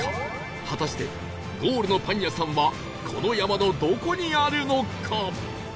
果たしてゴールのパン屋さんはこの山のどこにあるのか？